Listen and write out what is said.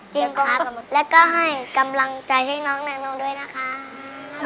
ครับแล้วก็ให้กำลังใจให้น้องนายนงด้วยนะคะ